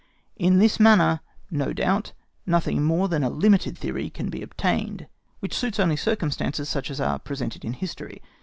In this manner, no doubt, nothing more than a limited theory can be obtained, which only suits circumstances such as are presented in history.